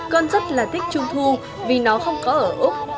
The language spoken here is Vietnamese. con rất là thích trung thu vì nó không có ở úc